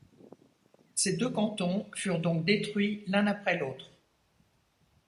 Ces deux cantons furent donc détruis l'un après l'autre.